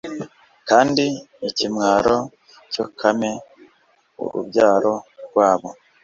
kandi ikimwaro cyokame urubyaro rwabo